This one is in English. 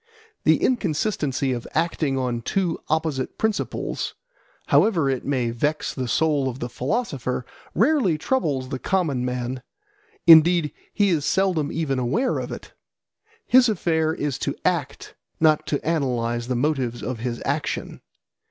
The inconsistency of acting on two opposite principles, however it may vex the soul of the philosopher, rarely troubles the common man; indeed he is seldom even aware of it. His affair is to act, not to analyse the motives of his action.